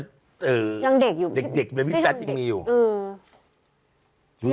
ยังเด็กอยู่ไม่ทั้งเด็กด็กแบบพี่แฟทย์ยังมีอยู่